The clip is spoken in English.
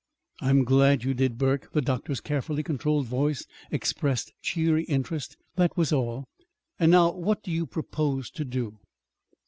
"I'm glad you did, Burke." The doctor's carefully controlled voice expressed cheery interest; that was all. "And now what do you propose to do?"